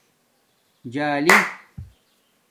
جلی